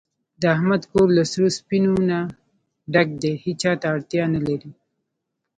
د احمد کور له سرو سپینو نه ډک دی، هېچاته اړتیا نه لري.